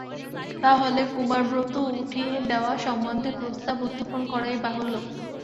তা হলে কুমারব্রত উঠিয়ে দেওয়া সম্বন্ধে প্রস্তাব উত্থাপন করাই বাহুল্য।